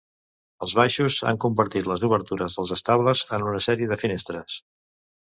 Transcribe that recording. Els baixos han convertit les obertures dels estables en una sèrie de finestres.